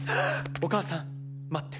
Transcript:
お母さん待って。